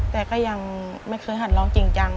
แต่ก็ยังไม่เคยหันร้องจริงจัง